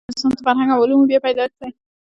رنسانس د فرهنګ او علومو بیا پیدایښت دی.